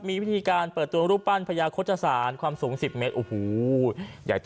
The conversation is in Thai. มีวิธีการเปิดตัวรูปปั้นพญาโคชศาสตร์ความสูง๑๐เมตร